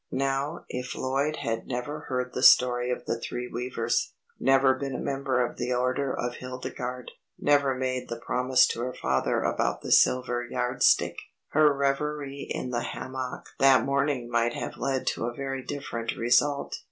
Now if Lloyd had never heard the story of the Three Weavers, never been a member of the Order of Hildegarde, never made the promise to her father about the silver yard stick, her reverie in the hammock that morning might have led to a very different result.